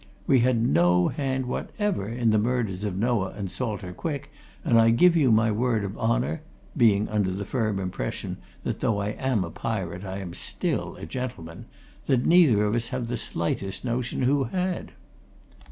We had no hand whatever in the murders of Noah and Salter Quick, and I give you my word of honour being under the firm impression that though I am a pirate, I am still a gentleman that neither of us have the very slightest notion who had!"